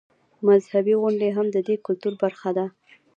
مذهبي غونډې هم د دې کلتور برخه ده.